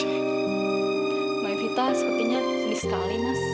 mbak evita sepertinya sedih sekali mas